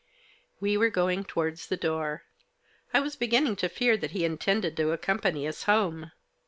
We were going towards the door. I was beginning to fear that he intended to accompany us home.